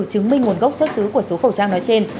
chứng minh nguồn gốc xuất xứ của số khẩu trang nói trên